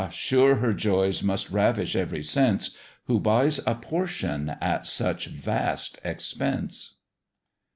sure her joys must ravish every sense, Who buys a portion at such vast expense.